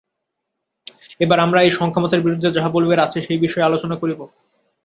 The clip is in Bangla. এইবার আমরা এই সাংখ্যমতের বিরুদ্ধে যাহা বলিবার আছে, সেই বিষয়ে আলোচনা করিব।